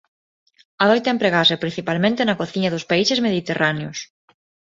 Adoita empregarse principalmente na cociña dos países mediterráneos.